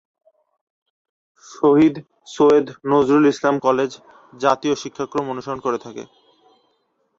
শহীদ Syed Nazrul Islam college জাতীয় শিক্ষাক্রম অনুসরণ করে থাকে।